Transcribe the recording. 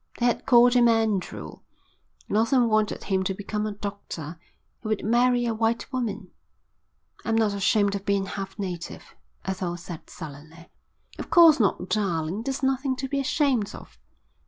They had called him Andrew. Lawson wanted him to become a doctor. He would marry a white woman. "I'm not ashamed of being half native," Ethel said sullenly. "Of course not, darling. There's nothing to be ashamed of."